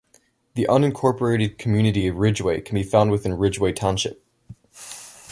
The unincorporated community of Ridgeway can be found within Ridgeway Township.